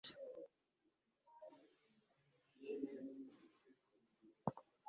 Nyamara Imana ntiyatanze amategeko adashobora kumvirwa n’abantu bose